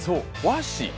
和紙